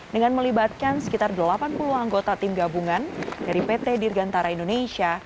dengan melibatkan sekitar delapan puluh anggota tim gabungan dari pt dirgantara indonesia